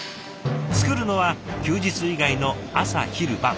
作るのは休日以外の朝昼晩。